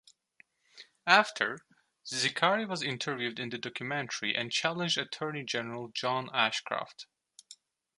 After, Zicari was interviewed in the documentary and challenged Attorney General John Ashcroft.